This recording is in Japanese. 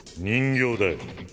人形だよ。